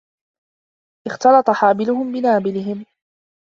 اختلط حابلهم بنابلهم